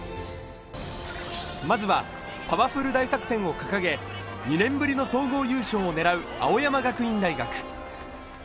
まずはパワフル大作戦を掲げ、２年ぶりの総合優勝を狙う青山学院大学。